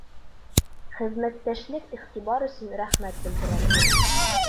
Хеҙмәттәшлек, иғтибар өсөн рәхмәт белдерәбеҙ.